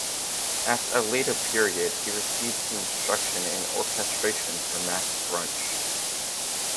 At a later period he received some instruction in orchestration from Max Bruch.